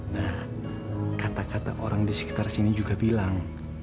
nah kata kata orang di sekitar sini juga bilang